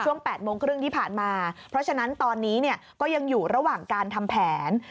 ๘โมงครึ่งที่ผ่านมาเพราะฉะนั้นตอนนี้เนี่ยก็ยังอยู่ระหว่างการทำแผน